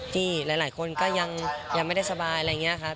ที่หลายคนก็ยังไม่ได้สบายอะไรอย่างนี้ค่ะ